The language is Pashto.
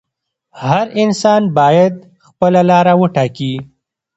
هر انسان باید خپله لاره وټاکي.